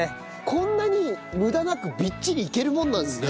こんなに無駄なくびっちりいけるもんなんですね。